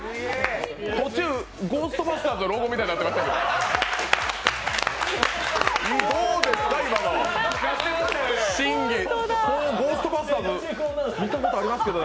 途中、「ゴースト・バスターズ」のロゴみたいになってましたけど。